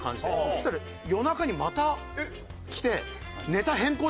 そしたら夜中にまたきて。